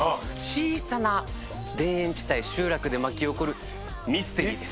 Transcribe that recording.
小さな田園地帯集落で巻き起こるミステリーです。